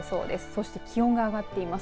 そして気温が上がっています。